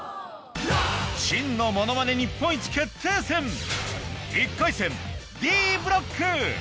真のものまね日本一決定戦１回戦Ｄブロック